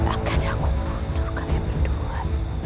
akhirnya aku bunuh kalian berdua